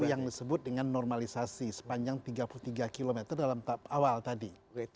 yang disebut dengan normalisasi sepanjang tiga puluh tiga km dalam awal tadi